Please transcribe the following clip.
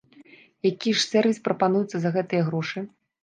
Які ж сервіс прапануецца за гэтыя грошы?